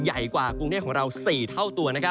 ใหญ่กว่ากรุงเทพของเรา๔เท่าตัว